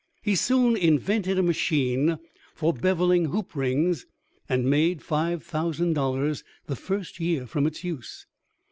He soon invented a machine for bevelling hoop rings, and made five thousand dollars the first year from its use.